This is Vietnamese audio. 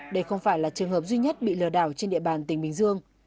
đây không phải là trường hợp duy nhất bị lừa đảo trên địa bàn tỉnh bình dương